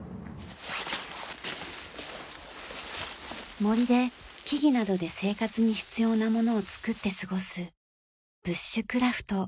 森で木々などで生活に必要なものを作って過ごすブッシュクラフト。